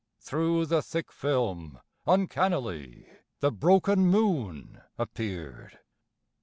Through the thick film uncannily The broken moon appeared.